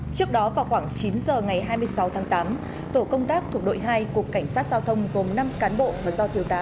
trước đó vào khoảng chín giờ ngày hai mươi sáu tháng tám tổ công tác thuộc đội hai cục cảnh sát giao thông gồm năm cán bộ và do thiếu tá